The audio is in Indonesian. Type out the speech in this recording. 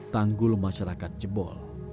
tanggul masyarakat jebol